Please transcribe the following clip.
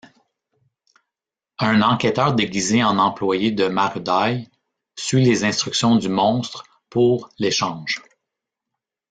Un enquêteur déguisé en employé de Marudai suit les instructions du Monstre pour l'échange.